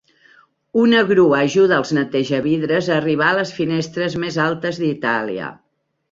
Una grua ajuda als netejavidres a arribar a les finestres més altes d'Itàlia.